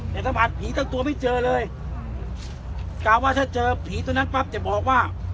แต่สัมผัสผีเจ้าตัวไม่เจอเลยกล่าวว่าถ้าเจอผีตัวนั้นปั๊บจะบอกว่า